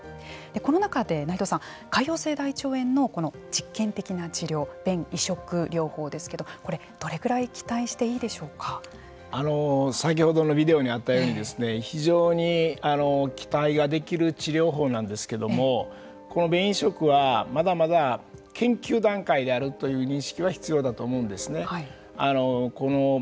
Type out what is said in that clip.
この中で、内藤さん潰瘍性大腸炎の実験的な移植法便移植療法ですけれどもどれくらい先ほどのビデオにあったように非常に期待ができる治療法なんですけれどもこの便移植はまだまだ研究段階であるという認識は必要だと思うんですね。